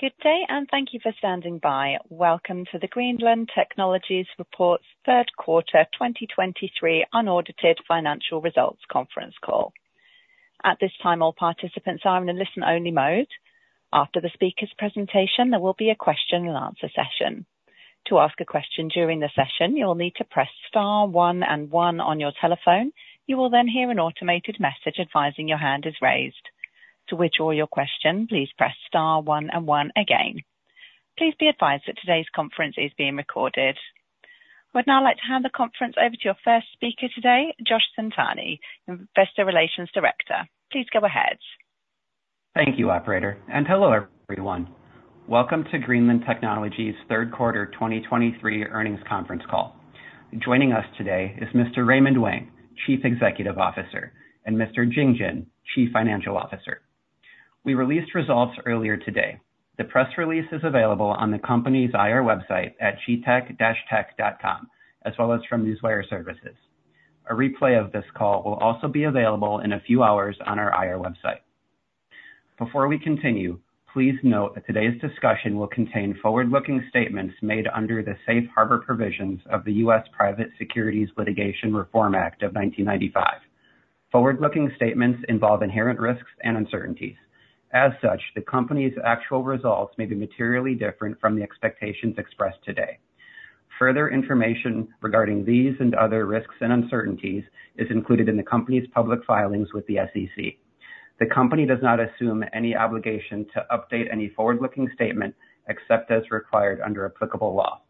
Good day, and thank you for standing by. Welcome to the Greenland Technologies' third quarter 2023 unaudited financial results conference call. At this time, all participants are in a listen-only mode. After the speaker's presentation, there will be a question and answer session. To ask a question during the session, you'll need to press star one and one on your telephone. You will then hear an automated message advising your hand is raised. To withdraw your question, please press star one and one again. Please be advised that today's conference is being recorded. I would now like to hand the conference over to your first speaker today, Josh Centanni, Investor Relations Director. Please go ahead. Thank you, operator, and hello, everyone. Welcome to Greenland Technologies' third quarter 2023 earnings conference call. Joining us today is Mr. Raymond Wang, Chief Executive Officer, and Mr. Jing Jin, Chief Financial Officer. We released results earlier today. The press release is available on the company's IR website at gtec-tech.com, as well as from newswire services. A replay of this call will also be available in a few hours on our IR website. Before we continue, please note that today's discussion will contain forward-looking statements made under the Safe Harbor Provisions of the U.S. Private Securities Litigation Reform Act of 1995. Forward-looking statements involve inherent risks and uncertainties. As such, the company's actual results may be materially different from the expectations expressed today. Further information regarding these and other risks and uncertainties is included in the company's public filings with the SEC. The company does not assume any obligation to update any forward-looking statement, except as required under applicable law.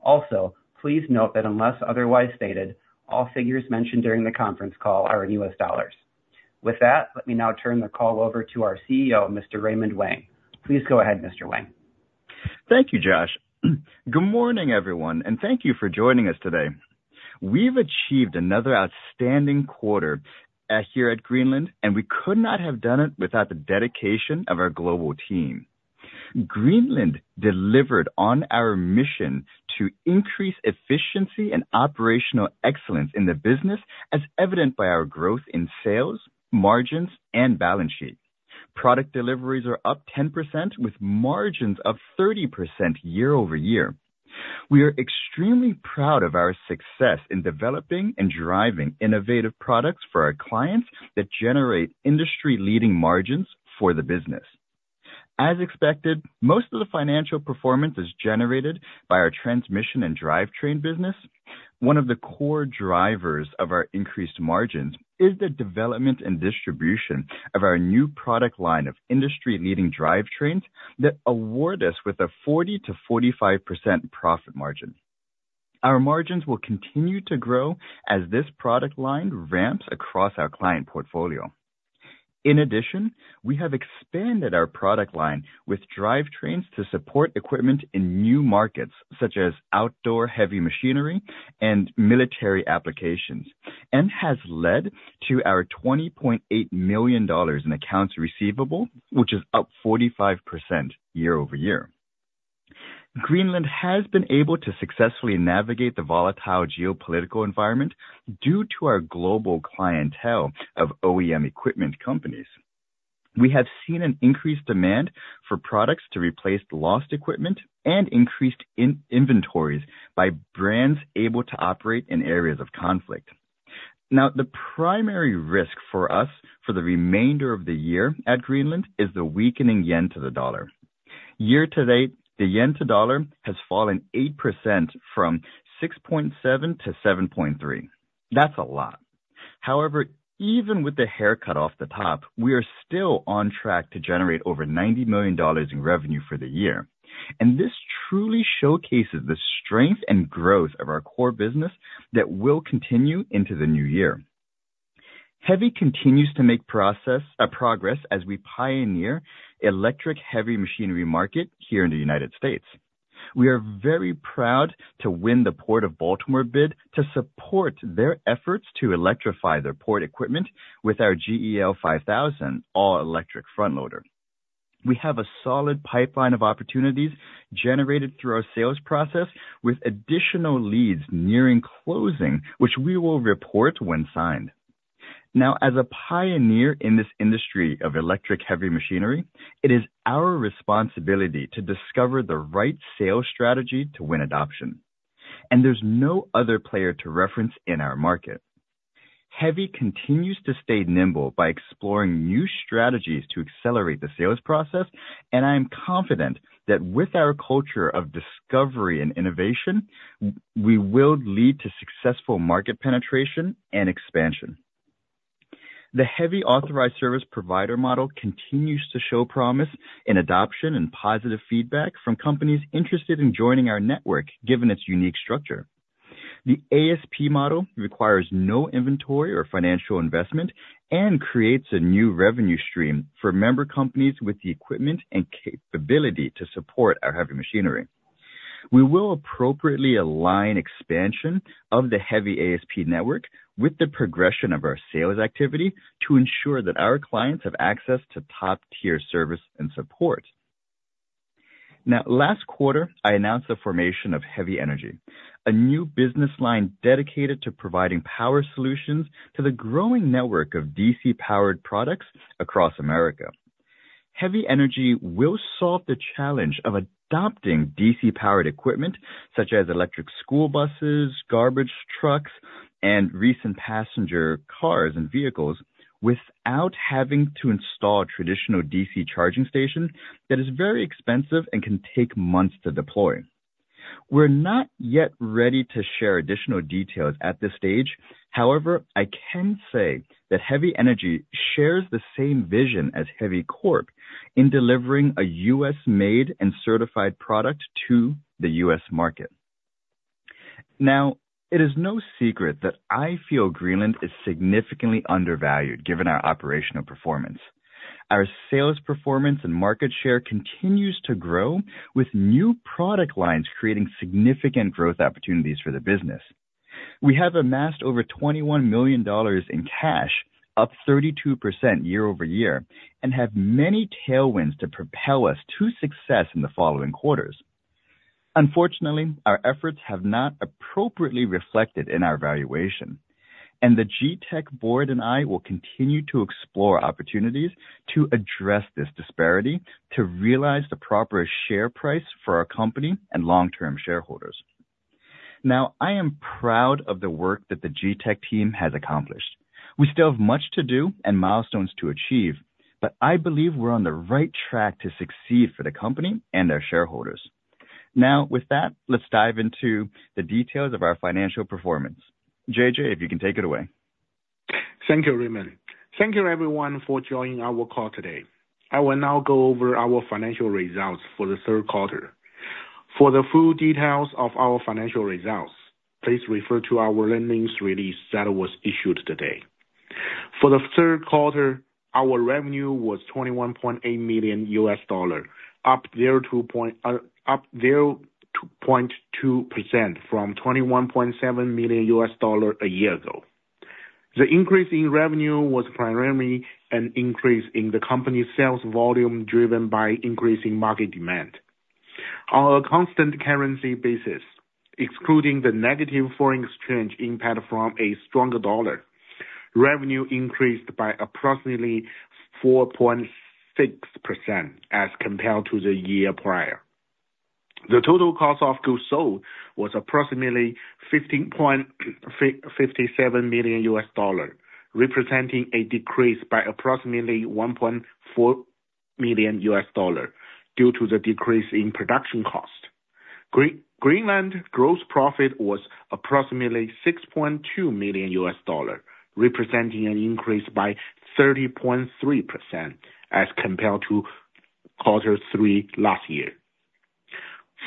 Also, please note that unless otherwise stated, all figures mentioned during the conference call are in U.S. dollars. With that, let me now turn the call over to our CEO, Mr. Raymond Wang. Please go ahead, Mr. Wang. Thank you, Josh. Good morning, everyone, and thank you for joining us today. We've achieved another outstanding quarter here at Greenland, and we could not have done it without the dedication of our global team. Greenland delivered on our mission to increase efficiency and operational excellence in the business, as evident by our growth in sales, margins, and balance sheet. Product deliveries are up 10%, with margins of 30% year-over-year. We are extremely proud of our success in developing and driving innovative products for our clients that generate industry-leading margins for the business. As expected, most of the financial performance is generated by our transmission and drivetrain business. One of the core drivers of our increased margins is the development and distribution of our new product line of industry-leading drivetrains that award us with a 40%-45% profit margin. Our margins will continue to grow as this product line ramps across our client portfolio. In addition, we have expanded our product line with drivetrains to support equipment in new markets, such as outdoor heavy machinery and military applications, and has led to our $20.8 million in accounts receivable, which is up 45% year-over-year. Greenland has been able to successfully navigate the volatile geopolitical environment due to our global clientele of OEM equipment companies. We have seen an increased demand for products to replace lost equipment and increased inventories by brands able to operate in areas of conflict. Now, the primary risk for us for the remainder of the year at Greenland is the weakening yuan to the dollar. Year to date, the yuan to dollar has fallen 8% from 6.7%-7.3%. That's a lot. However, even with the haircut off the top, we are still on track to generate over $90 million in revenue for the year, and this truly showcases the strength and growth of our core business that will continue into the new year. HEVI continues to make progress as we pioneer electric heavy machinery market here in the United States. We are very proud to win the Port of Baltimore bid to support their efforts to electrify their port equipment with our GEL-5000 all-electric front loader. We have a solid pipeline of opportunities generated through our sales process, with additional leads nearing closing, which we will report when signed. Now, as a pioneer in this industry of electric heavy machinery, it is our responsibility to discover the right sales strategy to win adoption, and there's no other player to reference in our market. HEVI continues to stay nimble by exploring new strategies to accelerate the sales process, and I am confident that with our culture of discovery and innovation, we will lead to successful market penetration and expansion. The HEVI Authorized Service Provider model continues to show promise in adoption and positive feedback from companies interested in joining our network, given its unique structure. The ASP model requires no inventory or financial investment and creates a new revenue stream for member companies with the equipment and capability to support our HEVI machinery. We will appropriately align expansion of the HEVI ASP network with the progression of our sales activity to ensure that our clients have access to top-tier service and support. Now, last quarter, I announced the formation of HEVI Energy, a new business line dedicated to providing power solutions to the growing network of DC-powered products across America. HEVI Energy will solve the challenge of adopting DC-powered equipment, such as electric school buses, garbage trucks, and recent passenger cars and vehicles, without having to install traditional DC charging stations that is very expensive and can take months to deploy. We're not yet ready to share additional details at this stage. However, I can say that HEVI Energy shares the same vision as HEVI Corp. in delivering a U.S.-made and certified product to the U.S. market. Now, it is no secret that I feel Greenland is significantly undervalued, given our operational performance. Our sales performance and market share continues to grow, with new product lines creating significant growth opportunities for the business. We have amassed over $21 million in cash, up 32% year-over-year, and have many tailwinds to propel us to success in the following quarters. Unfortunately, our efforts have not appropriately reflected in our valuation, and the GTEC board and I will continue to explore opportunities to address this disparity, to realize the proper share price for our company and long-term shareholders. Now, I am proud of the work that the GTEC team has accomplished. We still have much to do and milestones to achieve, but I believe we're on the right track to succeed for the company and our shareholders. Now, with that, let's dive into the details of our financial performance. JJ, if you can take it away. Thank you, Raymond. Thank you everyone for joining our call today. I will now go over our financial results for the third quarter. For the full details of our financial results, please refer to our earnings release that was issued today. For the third quarter, our revenue was $21.8 million, up 0-0.2% from $21.7 million a year ago. The increase in revenue was primarily an increase in the company's sales volume, driven by increasing market demand. On a constant currency basis, excluding the negative foreign exchange impact from a stronger dollar, revenue increased by approximately 4.6% as compared to the year prior. The total cost of goods sold was approximately $15.57 million, representing a decrease by approximately $1.4 million due to the decrease in production cost. Greenland gross profit was approximately $6.2 million, representing an increase by 30.3% as compared to quarter three last year.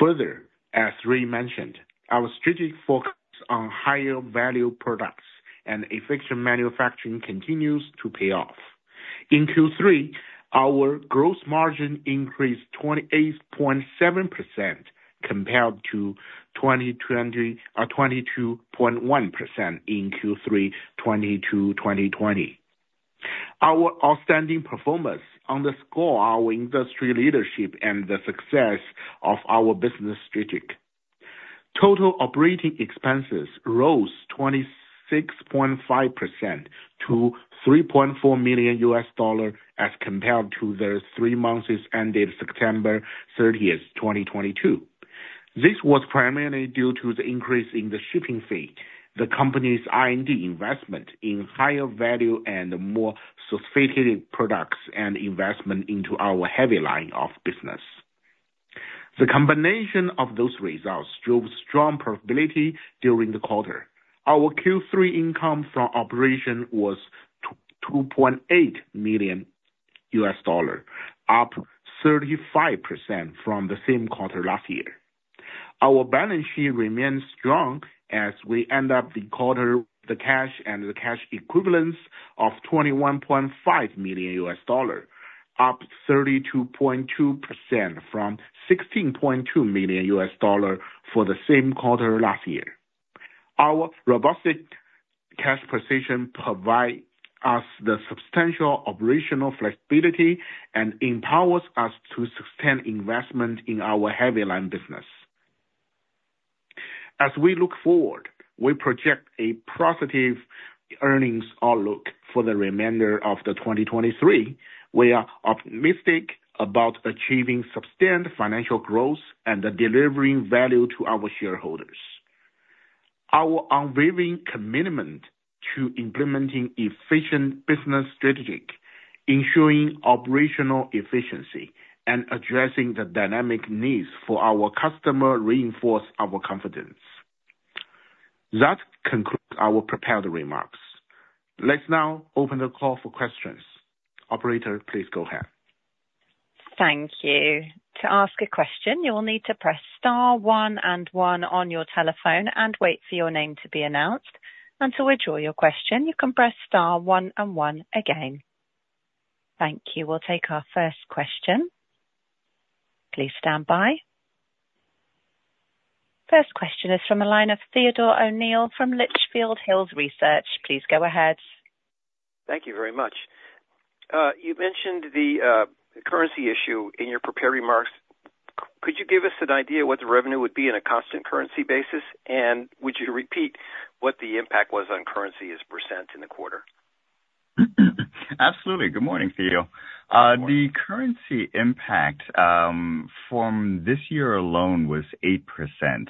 Further, as Ray mentioned, our strategic focus on higher value products and efficient manufacturing continues to pay off. In Q3, our gross margin increased 28.7% compared to twenty-two point one percent in Q3 2022. Our outstanding performance underscore our industry leadership and the success of our business strategy. Total operating expenses rose 26.5% to $3.4 million, as compared to the three months ended September 30, 2022. This was primarily due to the increase in the shipping fee, the company's R&D investment in higher value and more sophisticated products and investment into our HEVI line of business. The combination of those results drove strong profitability during the quarter. Our Q3 income from operation was two point eight million US dollar, up 35% from the same quarter last year. Our balance sheet remains strong as we end up the quarter with the cash and the cash equivalents of 21.5 million US dollar, up 32.2% from 16.2 million US dollar for the same quarter last year. Our robust cash position provide us the substantial operational flexibility and empowers us to sustain investment in our HEVI line business. As we look forward, we project a positive earnings outlook for the remainder of the 2023. We are optimistic about achieving sustained financial growth and delivering value to our shareholders. Our unwavering commitment to implementing efficient business strategies, ensuring operational efficiency, and addressing the dynamic needs of our customers reinforces our confidence. That concludes our prepared remarks. Let's now open the call for questions. Operator, please go ahead. Thank you. To ask a question, you will need to press star one and one on your telephone and wait for your name to be announced. To withdraw your question, you can press star one and one again. Thank you. We'll take our first question. Please stand by.... First question is from the line of Theodore O'Neill from Litchfield Hills Research. Please go ahead. Thank you very much. You mentioned the currency issue in your prepared remarks. Could you give us an idea what the revenue would be on a constant currency basis? And would you repeat what the impact was on currency as percent in the quarter? Absolutely. Good morning, Theodore. The currency impact from this year alone was 8%.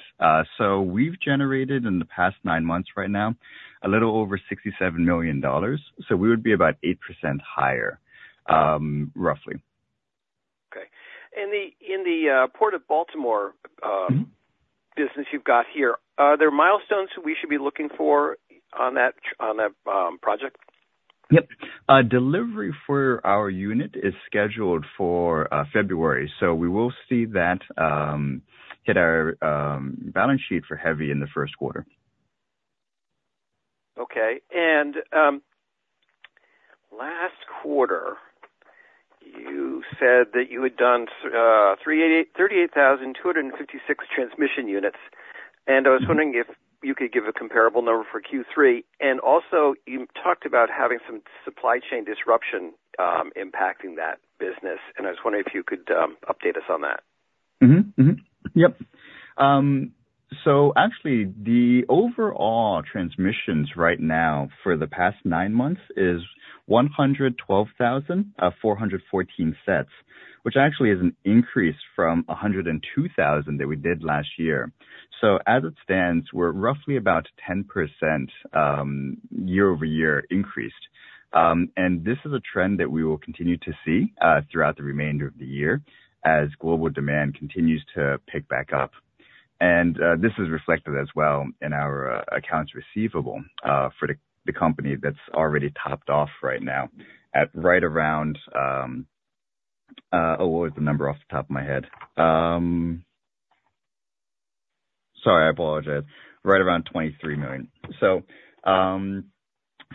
So we've generated, in the past nine months right now, a little over $67 million. So we would be about 8% higher, roughly. Okay. In the Port of Baltimore business you've got here, are there milestones we should be looking for on that project? Yep. Delivery for our unit is scheduled for February, so we will see that hit our balance sheet for HEVI in the first quarter. Okay. And last quarter, you said that you had done 38,256 transmission units, and I was wondering if you could give a comparable number for Q3. And also, you talked about having some supply chain disruption impacting that business, and I was wondering if you could update us on that. Mm-hmm. Mm-hmm. Yep. So actually, the overall transmissions right now for the past nine months is 112,414 sets, which actually is an increase from 102,000 that we did last year. So as it stands, we're roughly about 10% year-over-year increased. And this is a trend that we will continue to see throughout the remainder of the year as global demand continues to pick back up. And this is reflected as well in our accounts receivable for the company that's already topped off right now, at right around... Oh, what was the number off the top of my head? Sorry, I apologize. Right around $23 million. So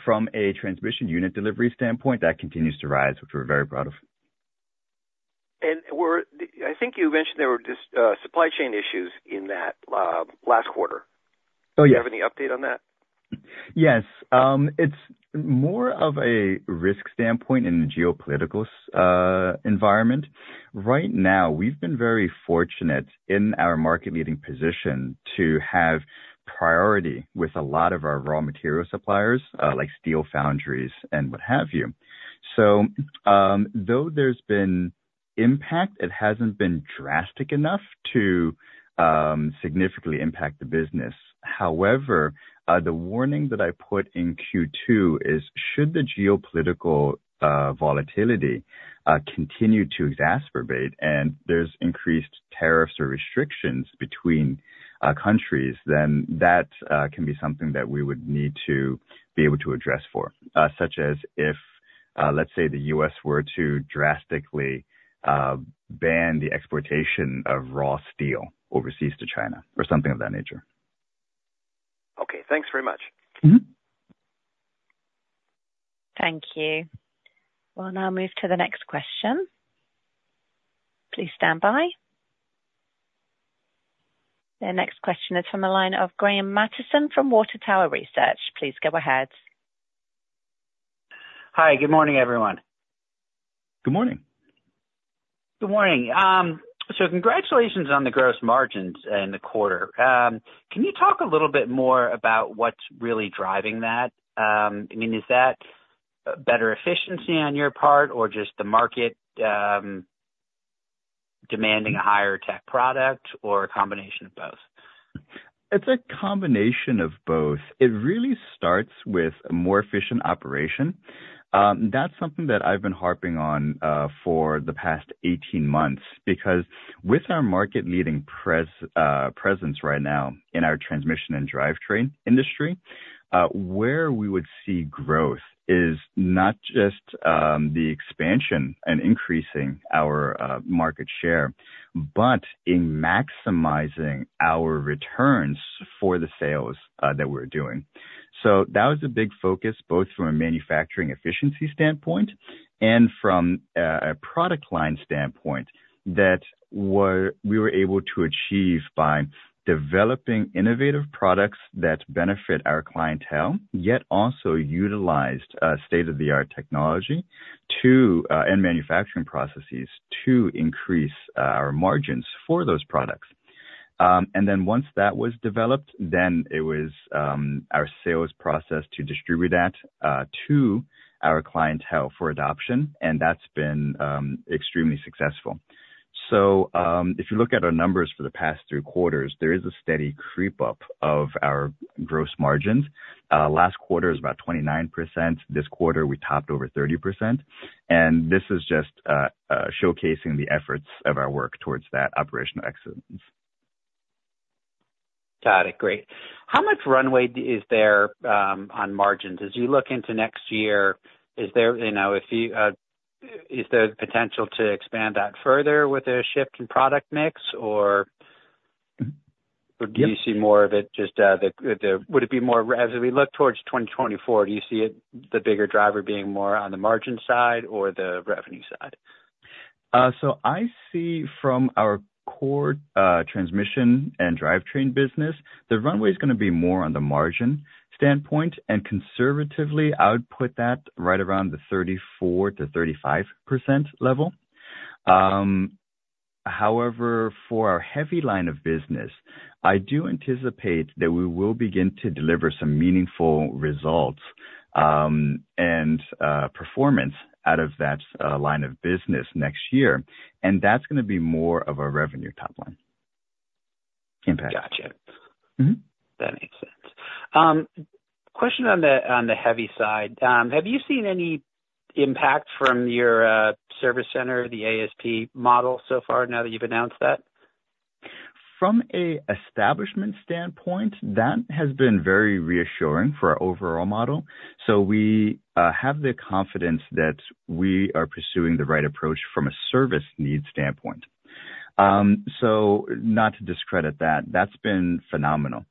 from a transmission unit delivery standpoint, that continues to rise, which we're very proud of. I think you mentioned there were just supply chain issues in that last quarter. Oh, yeah. Do you have any update on that? Yes. It's more of a risk standpoint in the geopolitical environment. Right now, we've been very fortunate in our market-leading position to have priority with a lot of our raw material suppliers, like steel foundries and what have you. So, though there's been impact, it hasn't been drastic enough to significantly impact the business. However, the warning that I put in Q2 is, should the geopolitical volatility continue to exacerbate and there's increased tariffs or restrictions between countries, then that can be something that we would need to be able to address for, such as if, let's say, the U.S. were to drastically ban the exportation of raw steel overseas to China or something of that nature. Okay. Thanks very much. Mm-hmm. Thank you. We'll now move to the next question. Please stand by. The next question is from the line of Graham Mattison from Water Tower Research. Please go ahead. Hi. Good morning, everyone. Good morning. Good morning. So congratulations on the gross margins in the quarter. Can you talk a little bit more about what's really driving that? I mean, is that better efficiency on your part, or just the market demanding a higher tech product, or a combination of both? It's a combination of both. It really starts with a more efficient operation. That's something that I've been harping on for the past 18 months. Because with our market-leading presence right now in our transmission and drivetrain industry, where we would see growth is not just the expansion and increasing our market share, but in maximizing our returns for the sales that we're doing. So that was a big focus, both from a manufacturing efficiency standpoint and from a product line standpoint, that we were able to achieve by developing innovative products that benefit our clientele, yet also utilized state-of-the-art technology and manufacturing processes to increase our margins for those products. And then once that was developed, then it was our sales process to distribute that to our clientele for adoption, and that's been extremely successful. So, if you look at our numbers for the past three quarters, there is a steady creep up of our gross margins. Last quarter is about 29%. This quarter, we topped over 30%, and this is just showcasing the efforts of our work towards that operational excellence. Got it. Great. How much runway is there on margins? As you look into next year, is there, you know, if you... Is there potential to expand that further with a shift in product mix, or- Yep. -Do you see more of it just, the, the, would it be more as we look towards 2024, do you see it, the bigger driver being more on the margin side or the revenue side?... So I see from our core, transmission and drivetrain business, the runway is gonna be more on the margin standpoint, and conservatively, I would put that right around the 34%-35% level. However, for our HEVI line of business, I do anticipate that we will begin to deliver some meaningful results, and performance out of that line of business next year, and that's gonna be more of a revenue top line impact. Gotcha. Mm-hmm. That makes sense. Question on the, on the HEVI side. Have you seen any impact from your service center, the ASP model, so far, now that you've announced that? From an establishment standpoint, that has been very reassuring for our overall model. So we have the confidence that we are pursuing the right approach from a service need standpoint. So not to discredit that, that's been phenomenal.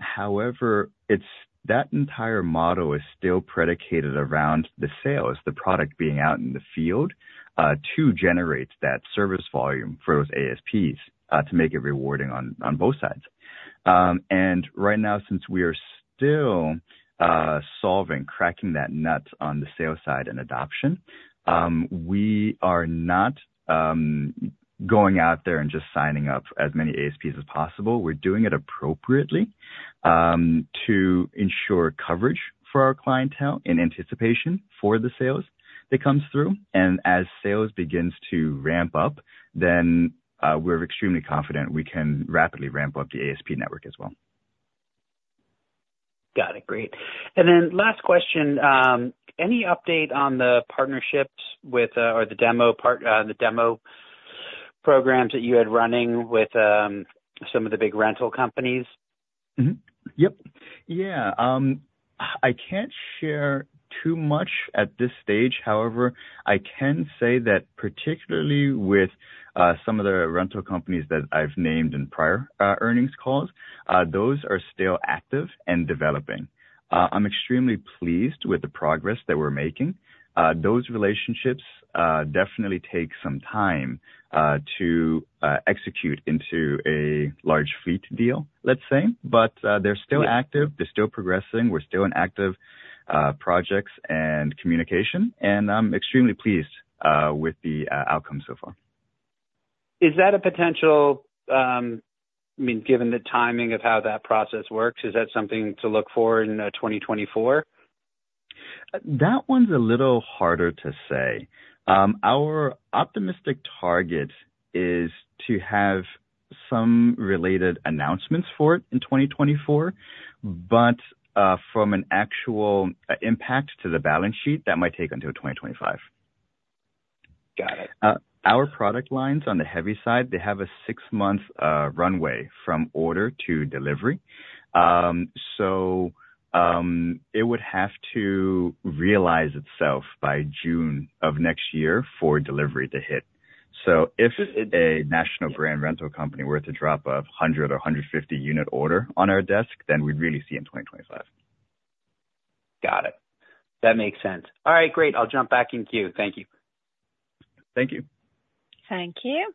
However, it's that entire model is still predicated around the sales, the product being out in the field, to generate that service volume for those ASPs, to make it rewarding on both sides. And right now, since we are still solving, cracking that nut on the sales side and adoption, we are not going out there and just signing up as many ASPs as possible. We're doing it appropriately, to ensure coverage for our clientele in anticipation for the sales that comes through. As sales begins to ramp up, then, we're extremely confident we can rapidly ramp up the ASP network as well. Got it. Great. And then last question. Any update on the partnerships with or the demo programs that you had running with some of the big rental companies? Mm-hmm. Yep. Yeah. I can't share too much at this stage. However, I can say that particularly with some of the rental companies that I've named in prior earnings calls, those are still active and developing. I'm extremely pleased with the progress that we're making. Those relationships definitely take some time to execute into a large fleet deal, let's say. But, they're still active, they're still progressing. We're still in active projects and communication, and I'm extremely pleased with the outcome so far. Is that a potential... I mean, given the timing of how that process works, is that something to look for in 2024? That one's a little harder to say. Our optimistic target is to have some related announcements for it in 2024, but, from an actual impact to the balance sheet, that might take until 2025. Got it. Our product lines on the heavy side, they have a six-month runway from order to delivery. So, it would have to realize itself by June of next year for delivery to hit. So if a national brand rental company were to drop a 100 or 150 unit order on our desk, then we'd really see in 2025. Got it. That makes sense. All right, great. I'll jump back in queue. Thank you. Thank you. Thank you.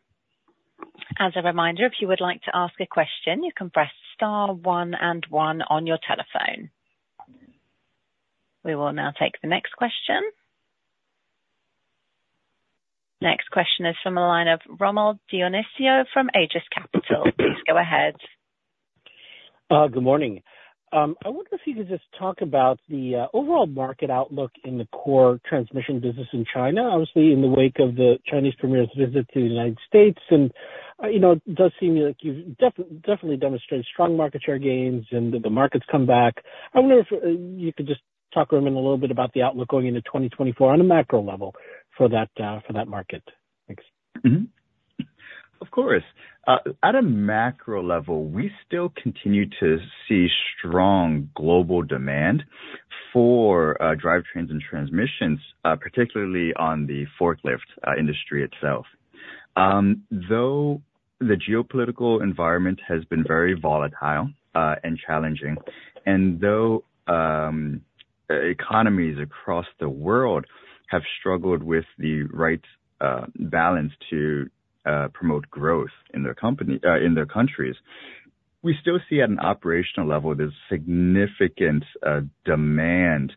As a reminder, if you would like to ask a question, you can press star 1 and 1 on your telephone. We will now take the next question. Next question is from the line of Rommel Dionisio from Aegis Capital. Please go ahead. Good morning. I wonder if you could just talk about the overall market outlook in the core transmission business in China, obviously, in the wake of the Chinese Premier's visit to the United States. You know, it does seem like you've definitely demonstrated strong market share gains and the market's come back. I wonder if you could just talk a little bit about the outlook going into 2024 on a macro level for that market. Thanks. Mm-hmm. Of course. At a macro level, we still continue to see strong global demand for drivetrains and transmissions, particularly on the forklift industry itself. Though the geopolitical environment has been very volatile and challenging, and though economies across the world have struggled with the right balance to promote growth in their company, in their countries, we still see at an operational level, there's significant demand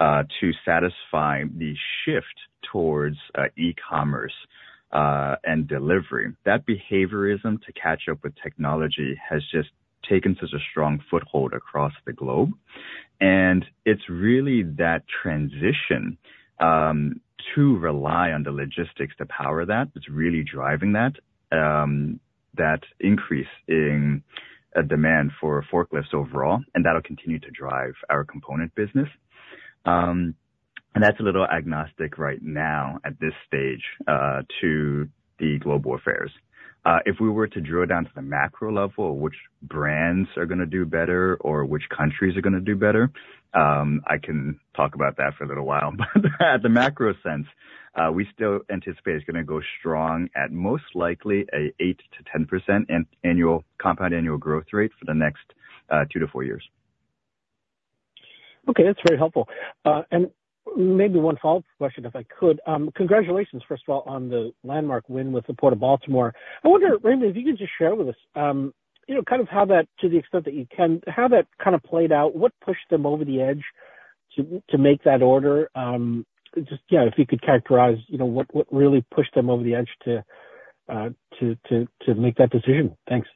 to satisfy the shift towards e-commerce and delivery. That behaviorism to catch up with technology has just taken such a strong foothold across the globe, and it's really that transition to rely on the logistics to power that, that's really driving that, that increase in demand for forklifts overall, and that'll continue to drive our component business. That's a little agnostic right now at this stage to the global affairs. If we were to drill down to the macro level, which brands are gonna do better or which countries are gonna do better, I can talk about that for a little while. But at the macro sense, we still anticipate it's gonna go strong at most likely a 8%-10% annual, compound annual growth rate for the next 2-4 years.... Okay, that's very helpful. And maybe one follow-up question, if I could. Congratulations, first of all, on the landmark win with the Port of Baltimore. I wonder, Raymond, if you could just share with us, you know, kind of how that, to the extent that you can, how that kind of played out? What pushed them over the edge to make that order? Just, you know, if you could characterize, you know, what really pushed them over the edge to make that decision? Thanks.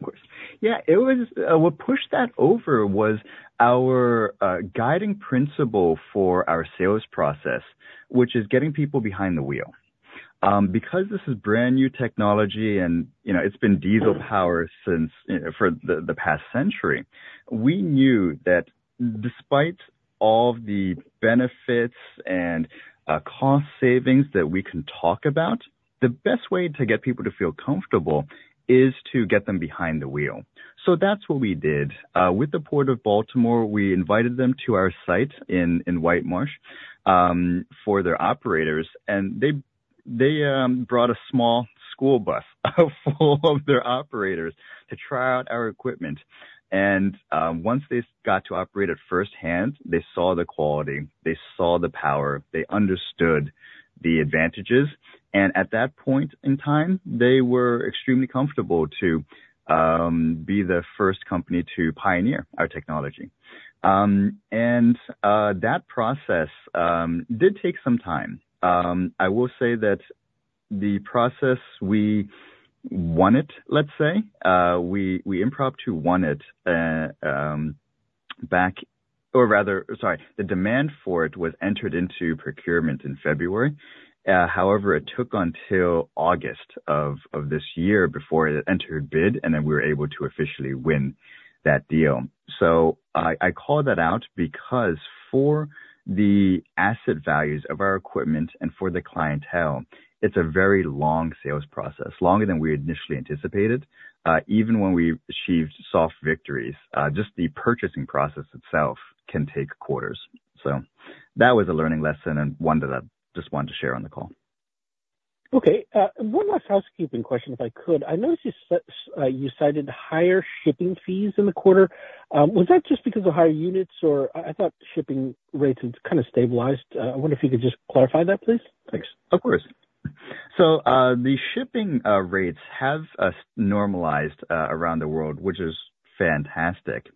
Of course. Yeah, it was what pushed that over was our guiding principle for our sales process, which is getting people behind the wheel. Because this is brand new technology and, you know, it's been diesel power since, for the past century, we knew that despite all the benefits and cost savings that we can talk about, the best way to get people to feel comfortable is to get them behind the wheel. So that's what we did. With the Port of Baltimore, we invited them to our site in White Marsh for their operators, and they brought a small school bus full of their operators to try out our equipment. Once they got to operate it firsthand, they saw the quality, they saw the power, they understood the advantages, and at that point in time, they were extremely comfortable to be the first company to pioneer our technology. That process did take some time. I will say that the process we won it, let's say, we, we impromptu won it back. Or rather, sorry, the demand for it was entered into procurement in February. However, it took until August of this year before it entered bid, and then we were able to officially win that deal. So I call that out, because for the asset values of our equipment and for the clientele, it's a very long sales process, longer than we initially anticipated. Even when we achieved soft victories, just the purchasing process itself can take quarters. So that was a learning lesson and one that I just wanted to share on the call. Okay. One last housekeeping question, if I could: I noticed you cited higher shipping fees in the quarter. Was that just because of higher units, or I thought shipping rates had kind of stabilized. I wonder if you could just clarify that, please? Thanks. Of course. So, the shipping rates have normalized around the world, which is fantastic.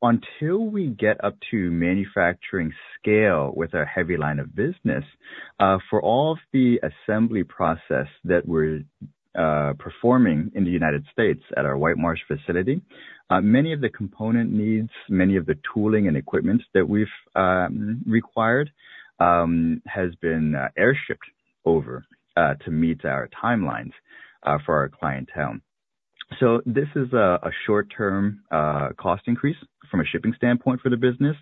Until we get up to manufacturing scale with our heavy line of business, for all of the assembly process that we're performing in the United States at our White Marsh facility, many of the component needs, many of the tooling and equipment that we've required, has been airshipped over, to meet our timelines, for our clientele. So this is a short-term cost increase from a shipping standpoint for the business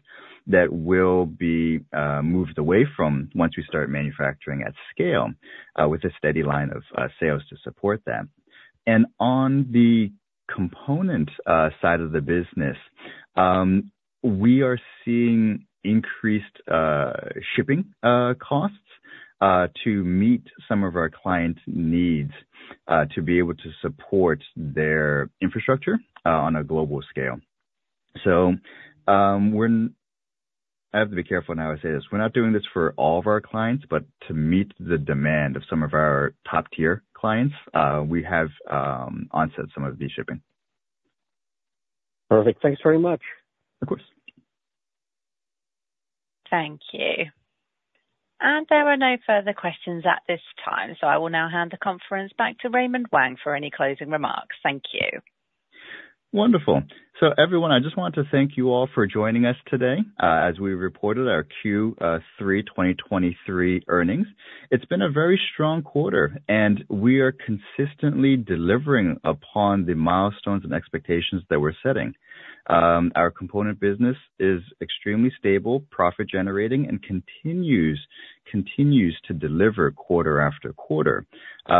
that will be moved away from once we start manufacturing at scale, with a steady line of sales to support them. On the component side of the business, we are seeing increased shipping costs to meet some of our clients' needs to be able to support their infrastructure on a global scale. We're. I have to be careful how I say this. We're not doing this for all of our clients, but to meet the demand of some of our top-tier clients, we have absorbed some of the shipping. Perfect. Thanks very much. Of course. Thank you. There are no further questions at this time, so I will now hand the conference back to Raymond Wang for any closing remarks. Thank you. Wonderful. So everyone, I just want to thank you all for joining us today, as we reported our Q3 2023 earnings. It's been a very strong quarter, and we are consistently delivering upon the milestones and expectations that we're setting. Our component business is extremely stable, profit-generating, and continues to deliver quarter after quarter,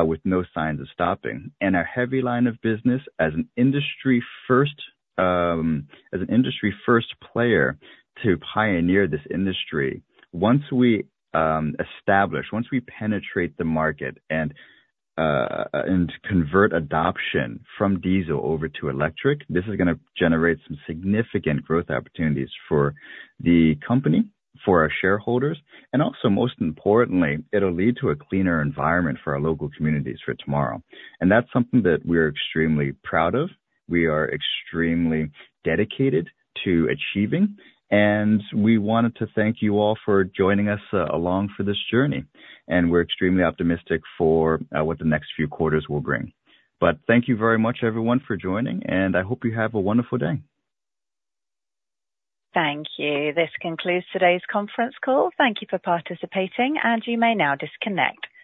with no signs of stopping. And our HEVI line of business, as an industry first player to pioneer this industry, once we establish, once we penetrate the market and convert adoption from diesel over to electric, this is gonna generate some significant growth opportunities for the company, for our shareholders, and also, most importantly, it'll lead to a cleaner environment for our local communities for tomorrow. That's something that we're extremely proud of, we are extremely dedicated to achieving, and we wanted to thank you all for joining us along for this journey. We're extremely optimistic for what the next few quarters will bring. Thank you very much, everyone, for joining, and I hope you have a wonderful day. Thank you. This concludes today's conference call. Thank you for participating, and you may now disconnect.